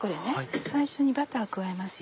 最初にバター加えます。